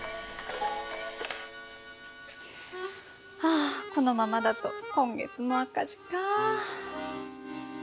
あこのままだと今月も赤字か。